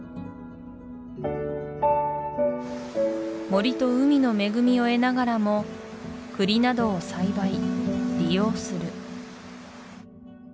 森と海の恵みを得ながらもクリなどを栽培利用する